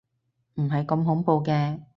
唔係咁恐怖嘅